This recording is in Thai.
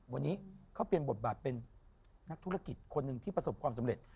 วันนี้เขาเปลี่ยนบทบาทเป็นนักธุรกิจคนหนึ่งที่ประสบความสำเร็จ